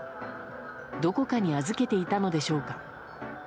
どこかに預けていたのでしょうか。